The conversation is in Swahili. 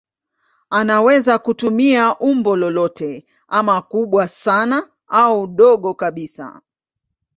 Anaweza kutumia umbo lolote ama kubwa sana au dogo kabisa.